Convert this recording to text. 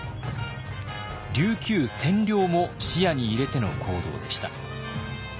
琉球占領も視野に入れての行動でした。